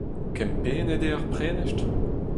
Kempennet eo ar prenestr ?